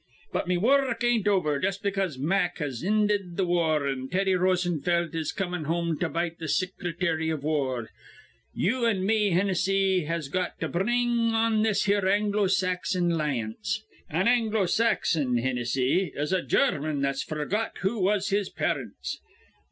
"But me wurruk ain't over jus' because Mack has inded th' war an' Teddy Rosenfelt is comin' home to bite th' Sicrety iv War. You an' me, Hinnissy, has got to bring on this here Anglo Saxon 'lieance. An Anglo Saxon, Hinnissy, is a German that's forgot who was his parents.